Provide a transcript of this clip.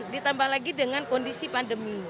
ditambah lagi dengan kondisi pandemi